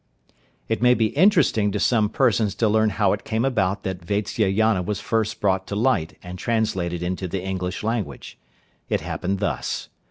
It may be interesting to some persons to learn how it came about that Vatsyayana was first brought to light and translated into the English language. It happened thus.